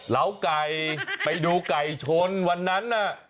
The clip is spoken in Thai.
เหล้าไก่ไปดูไก่ชนวันนั้นน่ะ